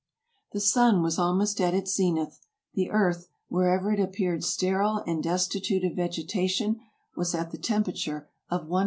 The sun was almost at its zenith ; the earth, wherever it appeared sterile and destitute of vegetation, was at the temperature of 1 200.